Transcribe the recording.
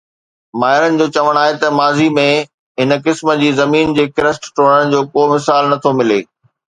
ماهرن جو چوڻ آهي ته ماضيءَ ۾ هن قسم جي زمين جي ڪرسٽ ٽوڙڻ جو ڪو مثال نه ٿو ملي